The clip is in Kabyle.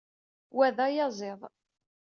Wa d ayaziḍ.